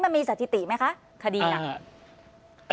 มันมีสถิติไหมคะคดีหนัก